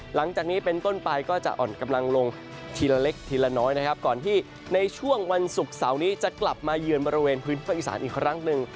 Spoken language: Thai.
หลังจากนี้เป็นต้นไปก็จะอ่อนกำลังลงทีละเล็กทีละน้อยนะครับก่อนที่ในช่วงวันศุกร์เสาร์นี้จะกลับมาเยือนบริเวณพื้นที่ภาคอีสานอีกครั้งหนึ่ง